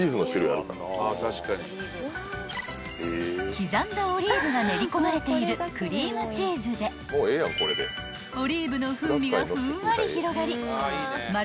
［刻んだオリーブが練り込まれているクリームチーズでオリーブの風味がふんわり広がりまるで］